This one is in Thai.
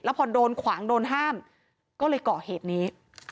พอโดนขวางโดนห้ามก็เลยเกาะเหตุนี้